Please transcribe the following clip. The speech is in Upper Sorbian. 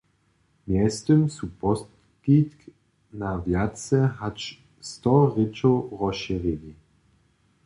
Mjeztym su poskitk na wjace hač sto rěčow rozšěrili.